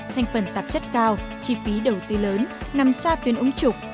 thành phần tạp chất cao chi phí đầu tư lớn nằm xa tuyên ống trục